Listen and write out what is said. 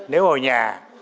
nếu ở nhà